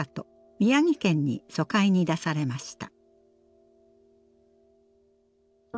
宮城県に疎開に出されました。